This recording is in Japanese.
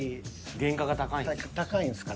原価が高いんか。